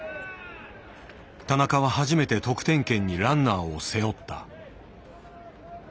田中は初めて得点圏にランナーを背負った。